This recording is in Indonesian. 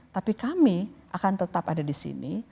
tapi kami akan tetap ada disini